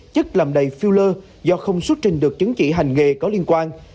chất làm đầy filler do không xuất trình được chứng chỉ hành nghề có liên quan